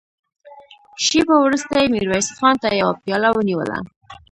شېبه وروسته يې ميرويس خان ته يوه پياله ونيوله.